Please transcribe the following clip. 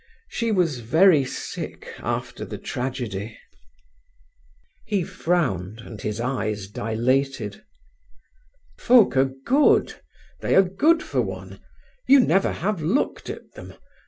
She was very sick after the tragedy. He frowned, and his eyes dilated. "Folk are good; they are good for one. You never have looked at them.